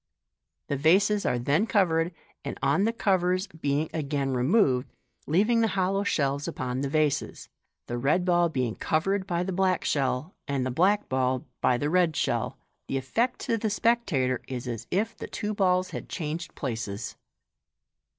The vases are then covered, and on the covers being again removed, leaving the hollow shells upon the vases, the red ball being covered by the black shell, and the black ball by the red shell, the effect to the spectator is as if the two balls had changed places.